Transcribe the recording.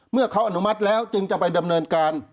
เมื่อเขาอนุมัติแล้วจึงจะไปดำเนินการ